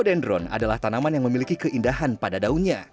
dan ini adalah tanaman yang memiliki keindahan pada daunnya